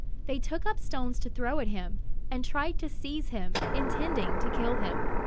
They took up stones to throw them at him, and tried to seize him, intending to kill him.